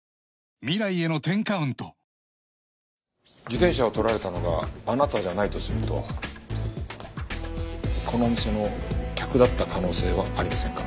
自転車を盗られたのがあなたじゃないとするとこのお店の客だった可能性はありませんか？